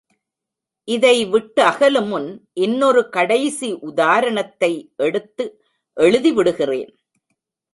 இதை விட்டகலுமுன் இன்னொரு கடைசி உதாரணத்தை எடுத்து எழுதிவிடுகிறேன்.